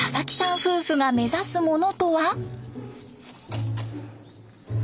夫婦が目指すものとは？